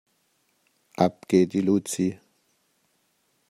Ab geht die Luzi.